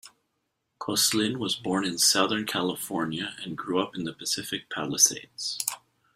Kosslyn was born in Southern California, and grew up in the Pacific Palisades.